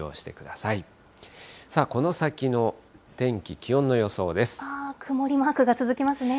さあこの先の天気、気温の予想で曇りマークが続きますね。